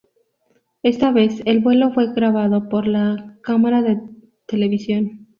Esta vez el vuelo fue grabado por la cámaras de televisión.